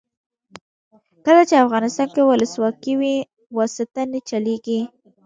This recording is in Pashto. کله چې افغانستان کې ولسواکي وي واسطه نه چلیږي.